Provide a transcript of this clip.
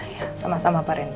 ya sama sama pak ren